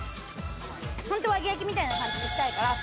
本当は揚げ焼きみたいな感じにしたいから。